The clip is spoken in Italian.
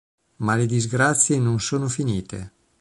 Ma le disgrazie non sono finite.